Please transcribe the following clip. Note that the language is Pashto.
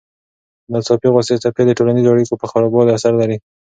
د ناڅاپه غوسې څپې د ټولنیزو اړیکو په خرابوالي اثر لري.